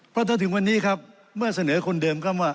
เพราะถ้าถึงวันนี้ครับเมื่อเสนอคนเดิมก็ว่า